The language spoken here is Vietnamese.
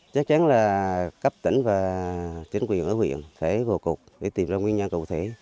chắc chắn là các tỉnh và chính quyền ở huyện sẽ vô cục để tìm ra nguyên nhân cầu thể